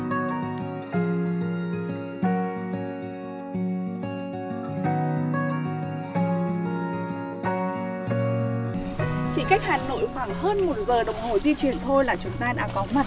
chỉ cách hà nội khoảng hơn một giờ đồng hồ di chuyển thôi là chúng ta đã có mặt